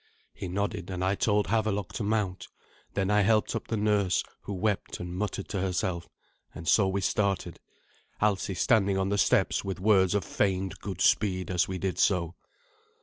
He nodded, and I told Havelok to mount. Then I helped up the nurse, who wept and muttered to herself; and so we started, Alsi standing on the steps with words of feigned goodspeed as we did so.